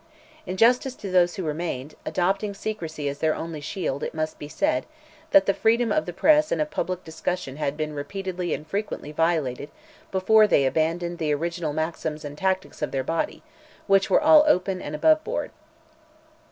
In justice to those who remained, adopting secrecy as their only shield, it must be said, that the freedom of the press and of public discussion had been repeatedly and frequently violated before they abandoned the original maxims and tactics of their body, which were all open, and above board.